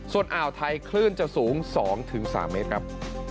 ส่วนอ่าวไทยคลื่นจะสูง๒๓เมตรครับ